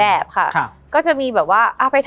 มันทำให้ชีวิตผู้มันไปไม่รอด